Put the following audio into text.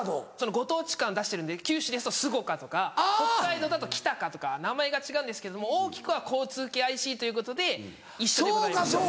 ご当地感出してるんで九州ですとＳＵＧＯＣＡとか北海道だとＫｉｔａｃａとか名前が違うんですけども大きくは交通系ＩＣということで一緒でございます。